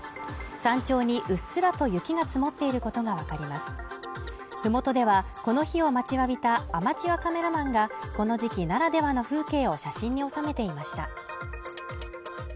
山頂にうっすらと雪が積もっていることが分かりますふもとではこの日を待ちわびたアマチュアカメラマンがこの時期ならではの風景を写真に収めていました